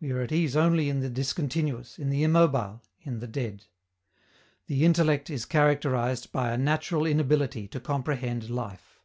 We are at ease only in the discontinuous, in the immobile, in the dead. _The intellect is characterized by a natural inability to comprehend life.